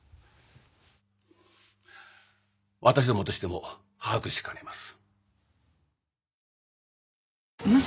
わたしどもとしても把握しかねます。